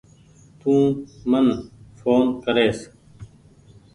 تو من ڦون ڪريس